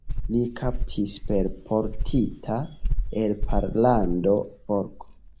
Li kaptis per portita el Pollando forko.